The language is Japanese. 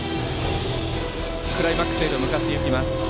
クライマックスへと向かっていきます。